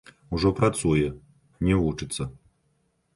Ужо працуе, не вучыцца.